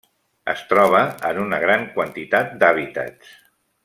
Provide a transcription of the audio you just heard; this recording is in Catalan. Es troba en una gran quantitat d'hàbitats.